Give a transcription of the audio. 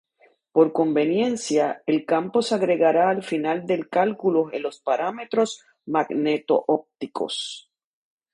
Por conveniencia, el campo se agregará al final del cálculo en los parámetros magneto-ópticos.